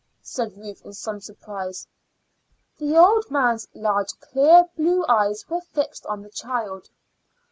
said Ruth in some surprise. The old man's large clear blue eyes were fixed on the child.